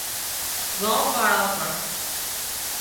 ڳام واۯان پڻ